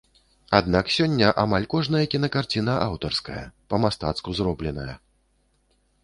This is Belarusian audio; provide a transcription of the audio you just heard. Аднак сёння амаль кожная кінакарціна аўтарская, па-мастацку зробленая.